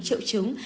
ba triệu chứng